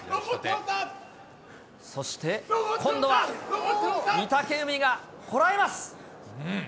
そして今度は、御嶽海がこらえます。